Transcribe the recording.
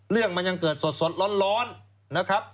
เรื่องมันยังเกิดสดร้อนนะครับ